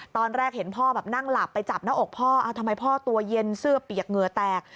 ตอนแรกเห็นพ่อแบบนั่งหลับไปจับหน้าอกพ่อทำไมพ่อตัวเย็นเสื้อเปียกเหงื่อแตก